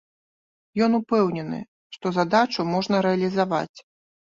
Ён упэўнены, што задачу можна рэалізаваць.